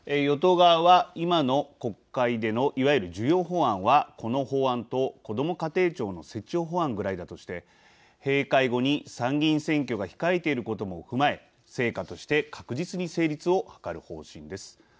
与党側は、今の国会でのいわゆる重要法案はこの法案と、こども家庭庁の設置法案ぐらいだとして閉会後に参議院選挙が控えていることも踏まえ成果として確実に成立を図る方針です。